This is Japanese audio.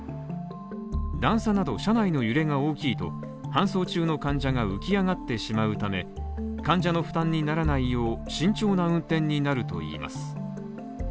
段差など車内の揺れが大きいと搬送中の患者が浮き上がってしまうため患者の負担にならないよう慎重な運転になるといいます。